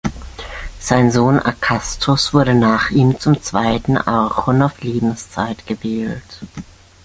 Sein Sohn Akastos wurde nach ihm zum zweiten Archon auf Lebenszeit gewählt.